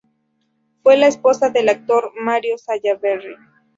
Fue la esposa del actor Mario Sallaberry.